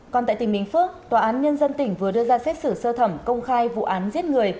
còn tại tỉnh bình phước tòa án nhân dân tỉnh vừa đưa ra xét xử sơ thẩm công khai vụ án giết người